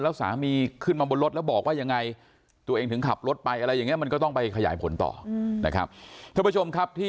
แล้วสามีขึ้นมาบนรถแล้วบอกว่ายังไงตัวเองถึงขับรถไปอะไรอย่างนี้มันก็ต้องไปขยายผลต่อนะครับท่านผู้ชมครับที่